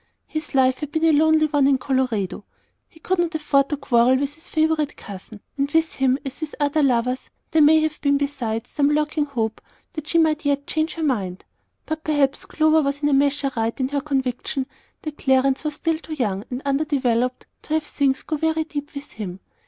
His life had been a lonely one in Colorado; he could not afford to quarrel with his favorite cousin, and with him, as with other lovers, there may have been, besides, some lurking hope that she might yet change her mind. But perhaps Clover in a measure was right in her conviction that Clarence was still too young and undeveloped to have things go very deep with him.